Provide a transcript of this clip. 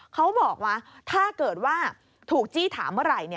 เขาบอกว่าถ้าเกิดว่าถูกจี้ถามเมื่อไหร่